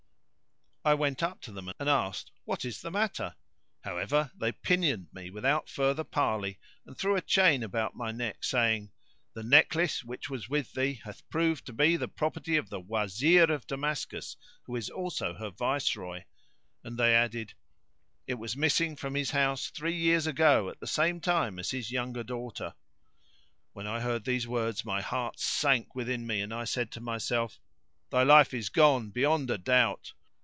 I went up to them and asked, "What is the matter?" however, they pinioned me with out further parley and threw a chain about my neck, saying, "The necklet which was with thee hath proved to be the property of the Wazir of Damascus who is also her Viceroy;" and they added, "It was missing from his house three years ago at the same time as his younger daughter." When I heard these words, my heart sank within me and I said to myself, "Thy life is gone beyond a doubt!